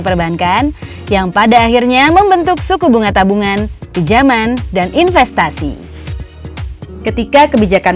perbankan yang pada akhirnya membentuk suku bunga tabungan pinjaman dan investasi ketika kebijakan